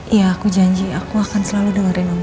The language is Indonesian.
iya aku janji aku akan selalu dengerin omongan kamu